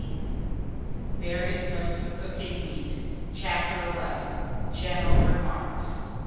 ] VARIOUS MODES OF COOKING MEAT. CHAPTER XI. GENERAL REMARKS.